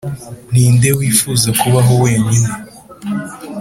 ni inde wifuza kubaho wenyine